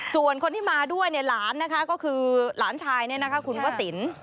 ส่วนคนที่มาด้วยหลานนะคะก็คือหลานชายคุณวสิน